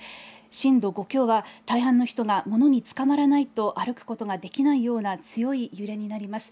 震度５強は、大半の人がものにつかまらないと歩くことができないような強い揺れになります。